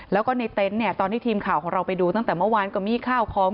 แล้วก็ในเต็นต์เนี่ยตอนที่ทีมข่าวของเราไปดูตั้งแต่เมื่อวานก็มีข้าวของ